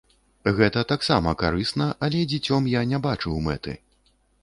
Гэта таксама карысна, але дзіцём я не бачыў мэты.